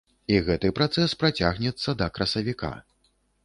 І гэты працэс працягнецца да красавіка.